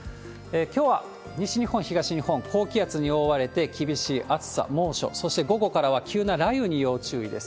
きょうは西日本、東日本、高気圧に覆われて厳しい暑さ、猛暑、そして午後からは急な雷雨に要注意です。